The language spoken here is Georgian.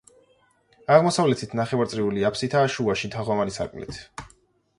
აღმოსავლეთით ნახევარწრიული აფსიდაა შუაში თაღოვანი სარკმლით.